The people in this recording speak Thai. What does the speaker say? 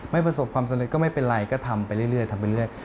ไม่ประสบความสนุกก็ไม่เป็นไรก็ทำไปเรื่อย